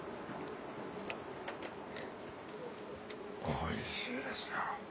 おいしいですよ。